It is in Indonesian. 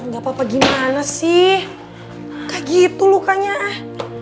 gak apa apa gimana sih kayak gitu lukanya ah